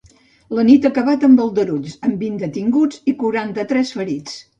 La nit ha acabat amb aldarulls, amb vint detinguts i quaranta-tres ferits.